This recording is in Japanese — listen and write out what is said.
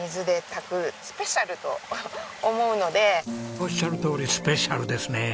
おっしゃるとおりスペシャルですね！